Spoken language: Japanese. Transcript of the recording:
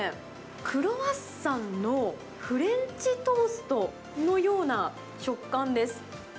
クロワッサンのフレンチトーストのような食感です。